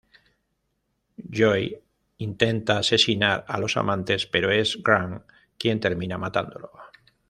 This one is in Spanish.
Joey intenta asesinar a los amantes, pero es Grant quien termina matándolo.